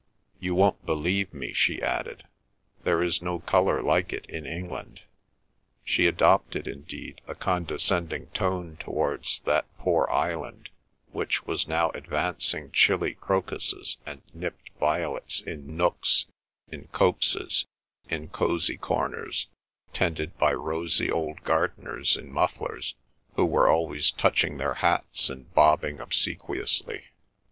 "You won't believe me," she added, "there is no colour like it in England." She adopted, indeed, a condescending tone towards that poor island, which was now advancing chilly crocuses and nipped violets in nooks, in copses, in cosy corners, tended by rosy old gardeners in mufflers, who were always touching their hats and bobbing obsequiously.